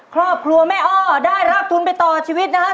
ครอบครัวแม่อ้อได้รับทุนไปต่อชีวิตนะครับ